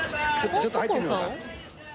ちょっと入ってみようか。